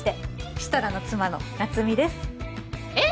設楽の妻の夏美です。えっ！？